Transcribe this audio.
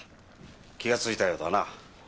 気がついたようだな。